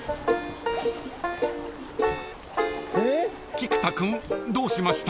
［菊田君どうしました？］